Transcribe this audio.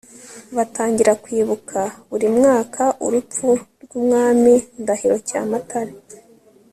batangira kwibuka buri mwaka urupfu rw'umwami ndahiro cyamatare